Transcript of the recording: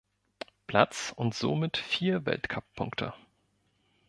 Platz und somit vier Weltcup-Punkte.